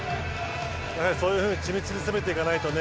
そういうふうに緻密に攻めていかないとね。